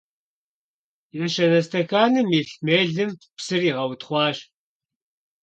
Yêşane stekanım yilh mêlım psır yiğeutxhuaş.